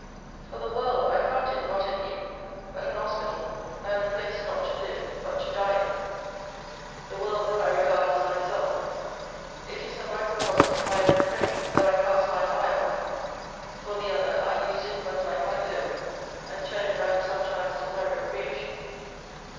For the world, I count it not an inn, but an hospital; and a place not to live, but to die in. The world that I regard is myself; it is the microcosm of my own frame that I cast mine eye on: for the other, I use it but like my globe, and turn it round sometimes for my recreation.